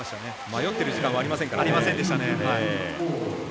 迷ってる時間はありませんからね。